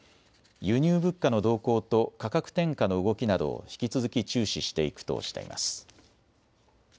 輸入物価の動向と価格転嫁の動きなどを引き続き注視していくとしています。